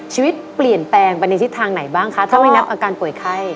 ชีวิตเปลี่ยนแปลงไปในทิศทางไหนบ้างคะถ้าไม่นับอาการป่วยไข้